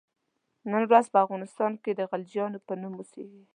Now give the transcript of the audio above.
نن ورځ په افغانستان کې د غلجیانو په نوم اوسیږي.